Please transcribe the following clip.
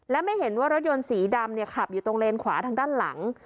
และไม่เห็นว่ารถยนต์สีดำขับอยู่ตรงเลนขวาทางด้านหลัง